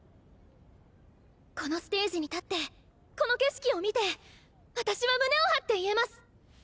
このステージに立ってこの景色を見て私は胸を張って言えます！